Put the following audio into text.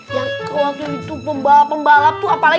yang waktu itu pembalap pembalap